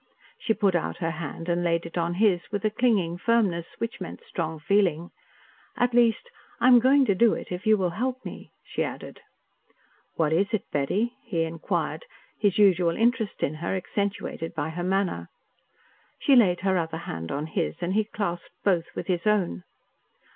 She put out her hand and laid it on his with a clinging firmness which meant strong feeling. "At least, I am going to do it if you will help me," she ended. "What is it, Betty?" he inquired, his usual interest in her accentuated by her manner. She laid her other hand on his and he clasped both with his own.